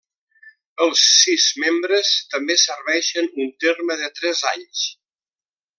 Els sis membres també serveixen un terme de tres anys.